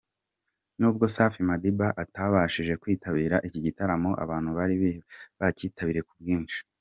Nubwo Safi Madiba atabashije kwitabira iki gitaramo abantu bari bakitabiriye ku bwinshi.